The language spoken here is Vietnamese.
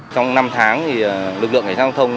trong năm tháng thì lực lượng giao thông